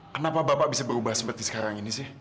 kenapa bapak bisa berubah seperti sekarang ini sih